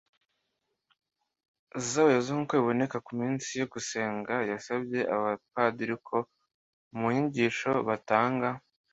z'abayobozi nk'uko biboneka ku minsi yo gusenga. yasabye abapadiri ko mu nyigisho batanga